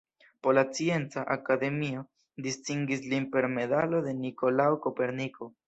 Pola Scienca Akademio distingis lin per medalo de Nikolao Koperniko.